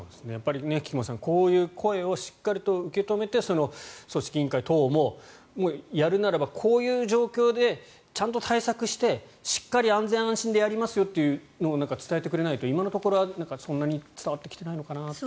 菊間さん、こういう声をしっかりと受け止めて組織委員会等もやるならこういう状況でちゃんと対策して、しっかり安全安心でやりますよというのを伝えてくれないと今のところはそんなに伝わってきていないのかなと。